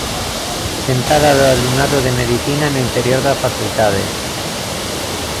Sentada do alumnado de Medicina no interior da facultade.